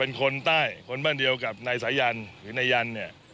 คนใต้คนบ้านเดียวกับนายสายันหรือนายยันเนี่ย